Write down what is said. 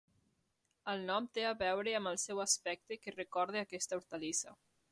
El nom té a veure amb el seu aspecte, que recorda aquesta hortalissa.